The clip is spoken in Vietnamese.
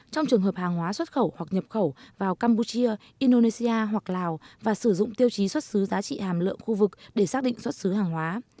trong trường hợp hàng hóa xuất khẩu hoặc nhập khẩu vào campuchia indonesia hoặc lào và sử dụng tiêu chí xuất xứ giá trị hàm lượng khu vực để xác định xuất xứ hàng hóa